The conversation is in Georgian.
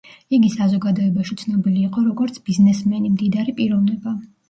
იგი საზოგადოებაში ცნობილი იყო როგორც ბიზნესმენი, მდიდარი პიროვნება.